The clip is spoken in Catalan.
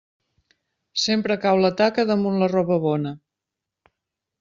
Sempre cau la taca damunt la roba bona.